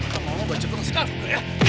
kau mau baca perang sekarang juga ya